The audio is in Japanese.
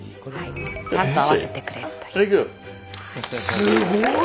すごい。